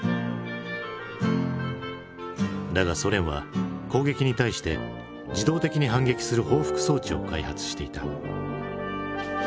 だがソ連は攻撃に対して自動的に反撃する報復装置を開発していた。